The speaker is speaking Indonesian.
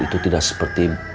itu tidak seperti